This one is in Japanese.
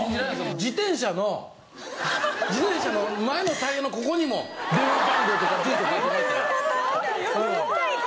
自転車の自転車の前のタイヤのここにも電話番号とか住所書いてましたよ。